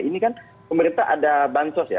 ini kan pemerintah ada bansos ya